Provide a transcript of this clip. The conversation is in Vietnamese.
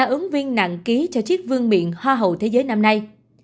ứng viên nặng ký cho chiếc vương miệng hoa hậu thế giới năm nay